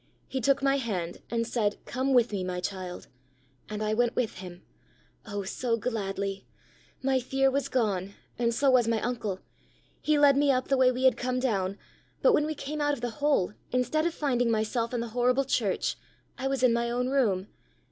He took my hand and said, 'Come with me, my child.' And I went with him oh, so gladly! My fear was gone, and so was my uncle. He led me up the way we had come down, but when we came out of the hole, instead of finding myself in the horrible church, I was in my own room.